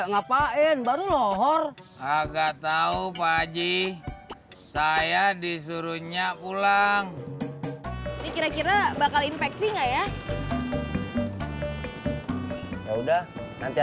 sampai jumpa di video selanjutnya